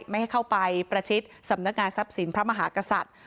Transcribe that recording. ไม่ให้เข้าไปประชิดสำนักงานทรัพย์สินพระมหากษัตริย์